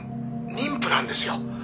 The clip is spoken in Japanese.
妊婦なんですよ」